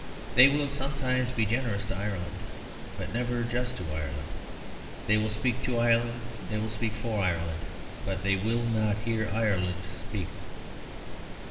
They will sometimes be generous to Ireland; but never just to Ireland. They will speak to Ireland; they will speak for Ireland; but they will not hear Ireland speak.